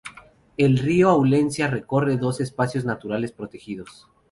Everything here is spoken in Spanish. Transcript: El río Aulencia recorre dos espacios naturales protegidos.